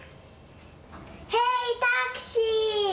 へいタクシー！